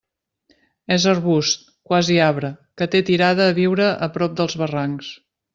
És arbust, quasi arbre, que té tirada a viure a prop dels barrancs.